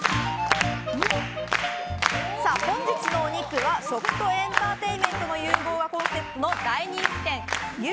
本日のお肉は食とエンターテインメントの融合がコンセプトの大人気店牛